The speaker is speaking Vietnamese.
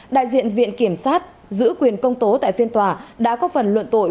đại diện viện kiểm sát giữ quyền công tố tại phiên tòa đã có phần luận tội